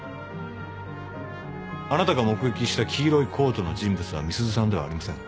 あなたが目撃した黄色いコートの人物は美鈴さんではありません。